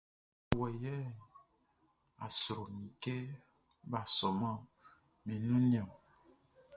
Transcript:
Nán wɔ yɛ a sro mi kɛ bʼa sɔman mi nunʼn niɔn.